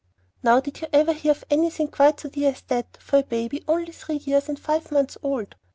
Now did you ever hear of anything quite so dear as that, for a baby only three years and five months old?